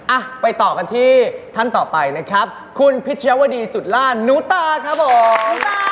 อ่ะไปต่อกันที่ท่านต่อไปนะครับคุณพิชยาวดีสุดล่าหนูตาครับผม